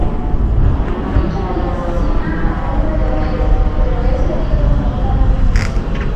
Lucha y asesina al Hombre de Negro, pero es herido mortalmente.